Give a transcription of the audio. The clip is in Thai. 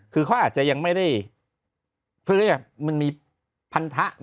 คือเขาอาจจะยังไม่ได้เพื่อที่มันมี